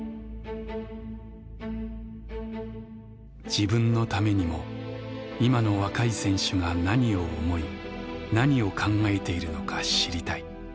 「自分のためにも今の若い選手が何を思い何を考えているのか知りたい。